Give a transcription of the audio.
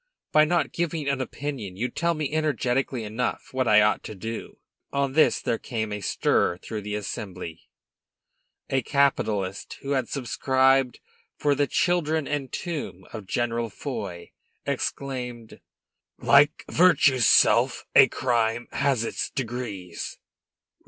"By not giving an opinion you tell me energetically enough what I ought to do." On this there came a stir throughout the assembly. A capitalist who had subscribed for the children and tomb of General Foy exclaimed: "Like Virtue's self, a crime has its degrees."